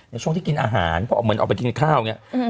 ในช่วงที่กินอาหารเพราะเหมือนออกไปกินข้าว